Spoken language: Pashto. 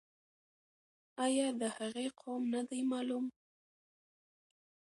آیا د هغې قوم نه دی معلوم؟